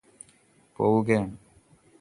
പോവുകയാണ്